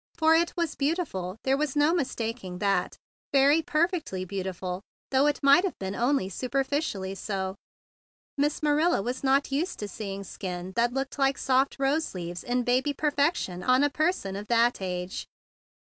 For it was beautiful, there was no mistaking that, very perfectly beautiful, though it might have been only superficially so. Miss Marilla was not used to seeing a skin that looked like soft rose leaves in baby perfection on a person of that age.